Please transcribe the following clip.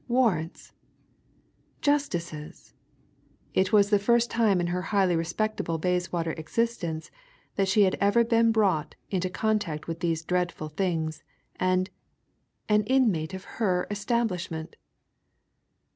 Warrants? Justices? It was the first time in her highly respectable Bayswater existence that she had ever been brought into contact with these dreadful things. And an inmate of her establishment!